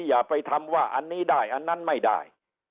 อย่าไปทำว่าอันนี้ได้อันนั้นไม่ได้